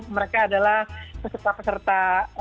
mereka adalah peserta peserta